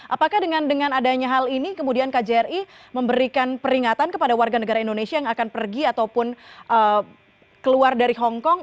apakah dengan adanya hal ini kemudian kjri memberikan peringatan kepada warga negara indonesia yang akan pergi ataupun keluar dari hongkong